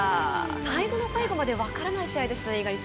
最後の最後まで分からない試合でしたね。